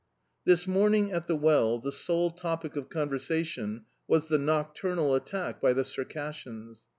THIS morning, at the well, the sole topic of conversation was the nocturnal attack by the Circassians.